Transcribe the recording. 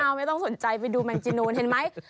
ไม่ต้องสนใจไปดูแมงจีนูนเห็นไหม